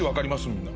みんな。